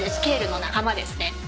ケールの仲間ですね。